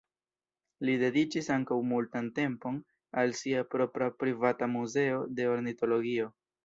Li dediĉis ankaŭ multan tempon al sia propra privata muzeo de ornitologio.